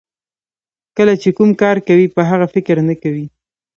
کله چې کوم کار کوئ په هغه فکر نه کوئ.